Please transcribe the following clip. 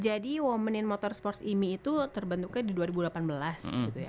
jadi women in motorsport ini itu terbentuknya di dua ribu delapan belas gitu ya